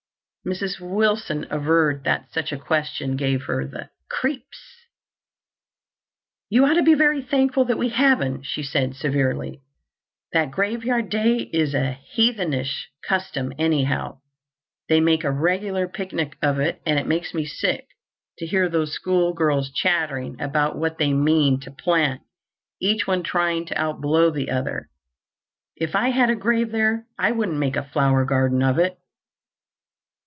Mrs. Wilson averred that such a question gave her the "creeps." "You ought to be very thankful that we haven't," she said severely. "That Graveyard Day is a heathenish custom, anyhow. They make a regular picnic of it, and it makes me sick to hear those school girls chattering about what they mean to plant, each one trying to outblow the other. If I had a grave there, I wouldn't make a flower garden of it!"